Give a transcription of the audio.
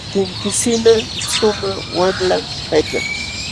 Tinkisinqa shumaq wamlam kaykan.